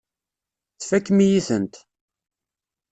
Tfakem-iyi-tent.